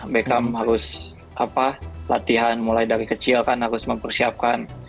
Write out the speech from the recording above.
beckham harus latihan mulai dari kecil kan harus mempersiapkan